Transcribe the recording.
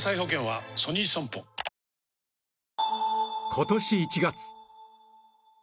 今年１月